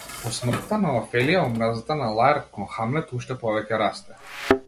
По смртта на Офелија омразата на Лаерт кон Хамлет уште повеќе расте.